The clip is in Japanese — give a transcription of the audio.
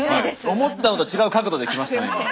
思ったのと違う角度で来ましたね